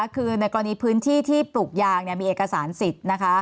คือในกรณีพื้นที่ที่ปลูกยางมีเอกสารสิทธิ์นะคะ